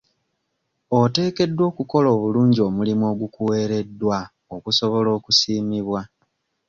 Oteekeddwa okukola obulungi omulimu ogukuweereddwa okusobola okusiimibwa.